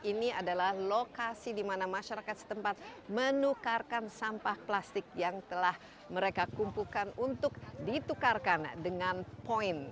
ini adalah lokasi di mana masyarakat setempat menukarkan sampah plastik yang telah mereka kumpulkan untuk ditukarkan dengan poin